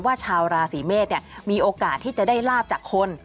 ชาวราศีเมษมีโอกาสที่จะได้ลาบจากคน